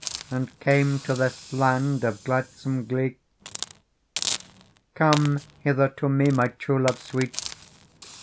And came to this land of gladsome glee. * Come hither to me, my true love sweet.